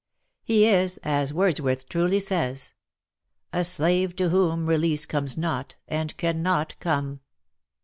He is, as Wordsworth truly says, " A slave to whom release comes not, And cannot come."